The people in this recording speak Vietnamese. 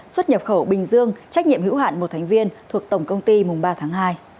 xuất nhập khẩu bình dương trách nhiệm hữu hạn một thành viên thuộc tổng công ty mùng ba tháng hai